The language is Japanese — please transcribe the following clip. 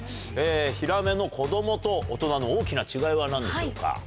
ヒラメの子供と大人の大きな違いは何でしょうか？